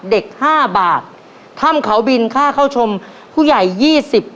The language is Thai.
ห้าบาทถ้ำเขาบินค่าเข้าชมผู้ใหญ่ยี่สิบ